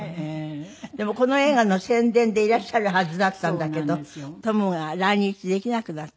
でもこの映画の宣伝でいらっしゃるはずだったんだけどトムが来日できなくなった。